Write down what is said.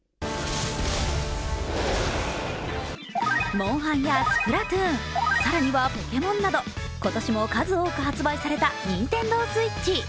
「モンハン」や「スプラトゥーン」、更には「ポケモン」など今年も数多く発売されたＮｉｎｔｅｎｄｏＳｗｉｔｃｈ。